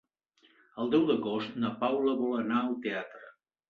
El deu d'agost na Paula vol anar al teatre.